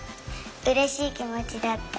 うれしいきもちだった。